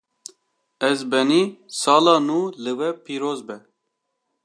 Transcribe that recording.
Ezbenî! Sala nû li we pîroz be